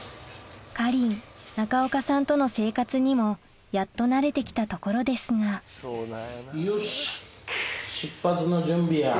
かりん中岡さんとの生活にもやっと慣れて来たところですがよし。